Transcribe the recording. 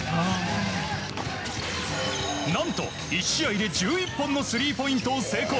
何と１試合で１１本のスリーポイントを成功。